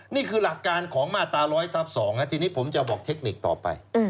นี่คือหลักการของมาตรา๑๐๐ทับ๒ทีนี้ผมจะบอกเทคนิคต่อไป